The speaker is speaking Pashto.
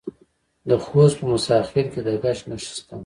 د خوست په موسی خیل کې د ګچ نښې شته.